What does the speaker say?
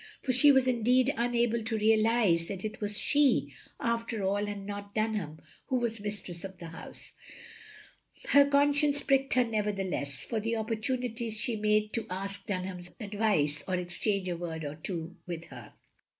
For she was indeed unable to realise that it was she, after all, and OF GROSVENOR SQUARE 85 not Dunham, who was mistress of the house. Her conscience pricked her nevertheless, for the op portunities she made to ask Dunham's advice, or exchange a word or two with her.